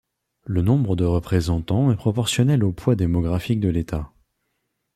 Le nombre de représentants est proportionnel au poids démographique de l'État.